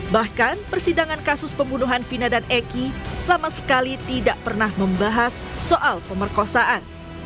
bahkan persidangan kasus pembunuhan vina dan eki sama sekali tidak pernah membahas soal pemerkosaan